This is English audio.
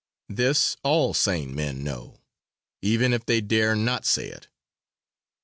This all sane men know even if they dare not say it.